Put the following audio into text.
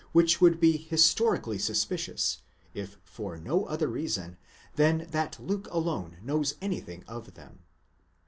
which would be historically suspicious, if for no other reason than that Luke alone knows anything of them.